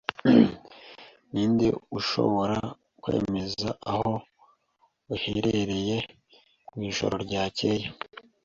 Ninde ushobora kwemeza aho uherereye mwijoro ryakeye?